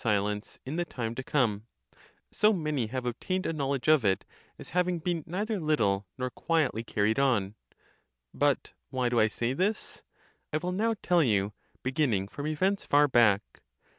passed over in silence in the time to come; so many have ob tained a knowledge of it, as having been neither little nor quietly carried on. But why do I say this? I will now tell you, beginning from events far back.